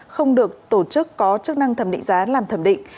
không được tổ chức có chức năng thẩm định giá làm thẩm định